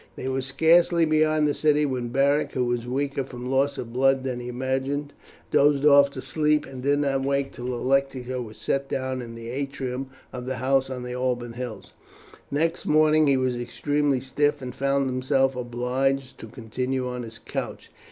They were scarcely beyond the city when Beric, who was weaker from loss of blood than he imagined, dozed off to sleep, and did not wake till the lectica was set down in the atrium of the house on the Alban Hills. Next morning he was extremely stiff, and found himself obliged to continue on his couch.